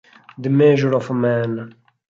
The Measure of a Man